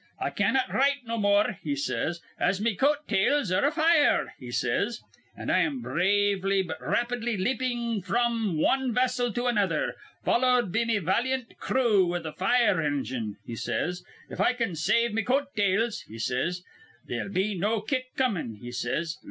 'I cannot write no more,' he says, 'as me coat tails are afire,' he says; 'an' I am bravely but rapidly leapin' fr'm wan vessel to another, followed be me valiant crew with a fire engine,' he says. 'If I can save me coat tails,' he says, 'they'll be no kick comin', he says.